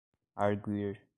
arguir